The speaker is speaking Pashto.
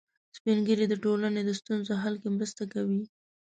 سپین ږیری د ټولنې د ستونزو حل کې مرسته کوي